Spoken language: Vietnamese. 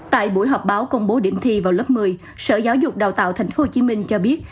tại buổi họp báo công bố điểm thi vào lớp một mươi sở giáo dục đào tạo tp hcm cho biết